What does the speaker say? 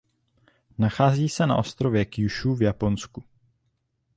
Nachází se na ostrově Kjúšú v Japonsku.